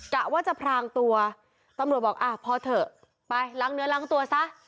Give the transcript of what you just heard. กะว่าจะพรางตัวตำรวจบอกอ่ะพอเถอะไปล้างเนื้อล้างตัวซะ